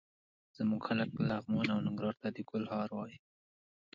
زموږ خلک لغمان او ننګرهار ته د ګل هار وايي.